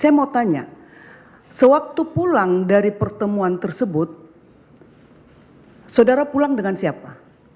saya mau tanya sewaktu pulang dari pertemuan tersebut saudara pulang dengan siapa